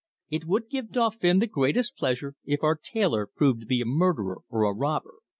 "It would give Dauphin the greatest pleasure if our tailor proved to be a murderer or a robber.